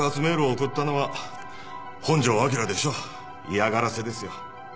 嫌がらせですよ。